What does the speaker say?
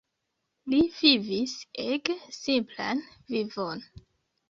Li vivis ege simplan vivon.